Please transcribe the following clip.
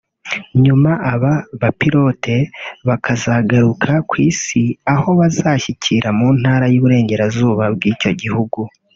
nyuma aba bapilote bakazagaruka ku Isi aho bazashyikira mu Ntara y’Iburengerazuba bw’icyo gihugu